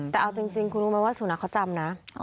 แต่เอาจริงคุณรู้ไหมว่าสุนัขเขาจำนะ